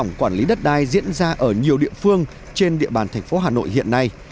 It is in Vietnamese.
tình trạng quản lý đất đai diễn ra ở nhiều địa phương trên địa bàn thành phố hà nội hiện nay